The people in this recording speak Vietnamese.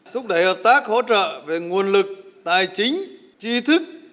thúc đẩy hợp tác hỗ trợ về nguồn lực tài chính chi thức